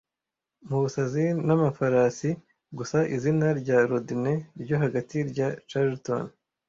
Mubusazi n'amafarasi gusa izina rya Rodney ryo hagati rya Charlton